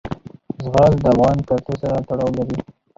زغال د افغان کلتور سره تړاو لري.